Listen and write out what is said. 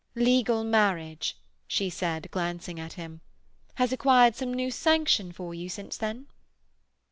"Legal marriage," she said, glancing at him, "has acquired some new sanction for you since then?"